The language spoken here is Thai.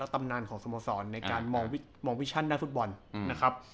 ตำนานของสโมสรในการมองวิชั่นด้านฟุตบอลนะครับ